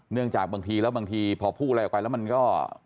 จากบางทีแล้วบางทีพอพูดอะไรออกไปแล้วมันก็